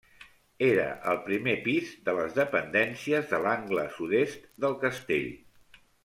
Era al primer pis de les dependències de l'angle sud-est del castell.